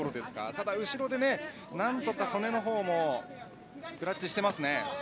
ただ、後ろで何とか祖根のほうもクラッチしてますね。